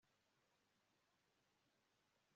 n'amagambo y'ubuhanga bw'inyigisho zabo